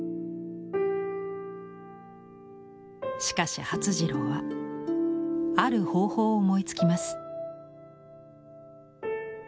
しかし發次郎はある方法を思いつきます。